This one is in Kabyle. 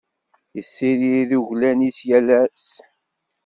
Yessirid uglan-is yal ass.